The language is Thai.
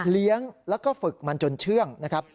เลี้ยงแล้วก็ฝึกมันจนเชื่องนะครับ